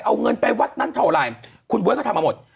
เอาเงินไปวัดนั้นเท่าไหร่คุณบ๊วยก็ทำมาหมด